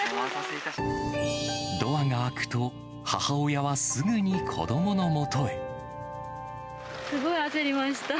ドアが開くと、すごい焦りました。